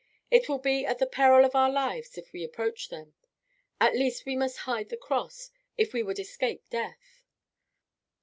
It will be at the peril of our lives if we approach them. At least we must hide the cross, if we would escape death."